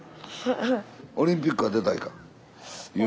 オリンピックは出たいか？